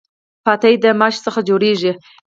پاتی د ماشو څخه جوړیږي.